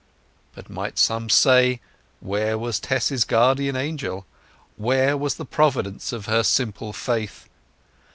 But, might some say, where was Tess's guardian angel? where was the providence of her simple faith?